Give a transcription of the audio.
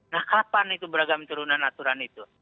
nah kapan itu beragam turunan aturan itu